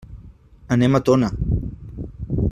Anem a Tona.